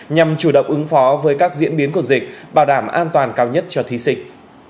nhằm chủ động ứng phó với các diễn biến của dịch bảo đảm an toàn cao nhất cho thí sinh